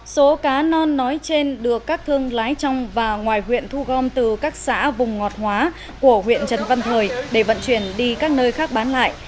số cá non nói trên được các thương lái trong và ngoài huyện thu gom từ các xã vùng ngọt hóa của huyện trần văn thời để vận chuyển đi các nơi khác bán lại